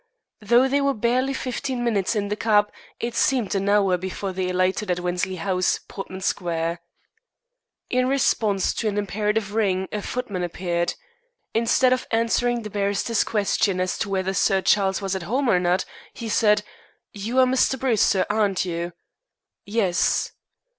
Though they were barely fifteen minutes in the cab, it seemed an hour before they alighted at Wensley House, Portman Square. In response to an imperative ring a footman appeared. Instead of answering the barrister's question as to whether Sir Charles was at home or not, he said: "You are Mr. Bruce, sir, aren't you?" "Yes."